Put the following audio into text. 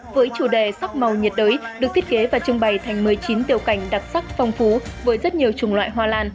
với chủ đề sắc màu nhiệt đới được thiết kế và trưng bày thành một mươi chín tiểu cảnh đặc sắc phong phú với rất nhiều trùng loại hoa lan